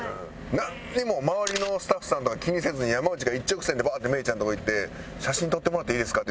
なんにも周りのスタッフさんとか気にせずに山内が一直線でバッて芽郁ちゃんのとこ行って写真撮ってもらっていいですか？